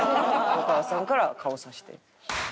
布川さんから顔さして。